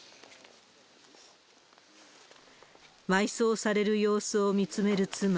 埋葬される様子を見つめる妻。